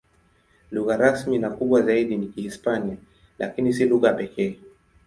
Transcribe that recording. Lugha rasmi na kubwa zaidi ni Kihispania, lakini si lugha pekee.